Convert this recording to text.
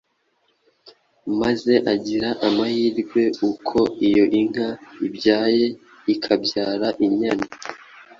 maze agira amahirwe uko iyo nka ibyaye ikabyara inyana.